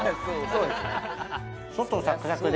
そうですね。